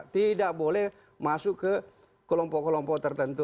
tidak boleh masuk ke kelompok kelompok tertentu